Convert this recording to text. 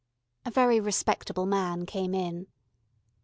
A very respectable looking man came in.